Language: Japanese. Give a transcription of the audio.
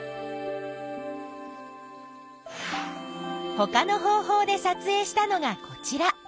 ほかの方法でさつえいしたのがこちら。